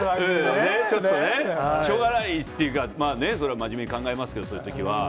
ちょっとね、しょうがないっていうか、それは真面目に考えますけど、そういうときは。